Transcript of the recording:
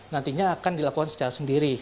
nantinya akan dilakukan secara secara secara